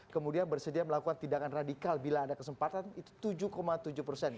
kemudian bersedia melakukan tindakan radikal bila ada kesempatan itu tujuh tujuh persen